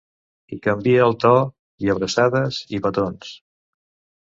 I canvia el to, i abraçades i petons.